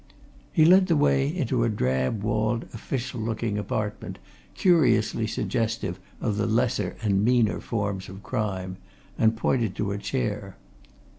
He led the way into a drab walled, official looking apartment, curiously suggestive of the lesser and meaner forms of crime, and pointed to a chair.